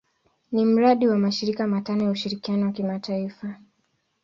Ni mradi wa mashirika matano ya ushirikiano wa kimataifa.